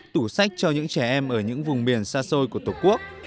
tủ sách cho những trẻ em ở những vùng miền xa xôi của tổ quốc